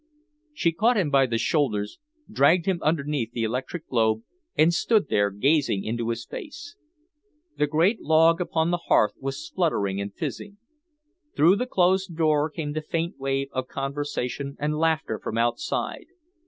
She caught him by the shoulders, dragged him underneath the electric globe, and stood there gazing into his face. The great log upon the hearth was spluttering and fizzing. Through the closed door came the faint wave of conversation and laughter from outside.